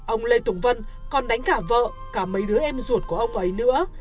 ông lê tùng vân còn đánh cả vợ cả mấy đứa em ruột của ông ấy nữa